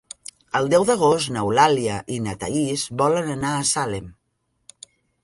El deu d'agost n'Eulàlia i na Thaís volen anar a Salem.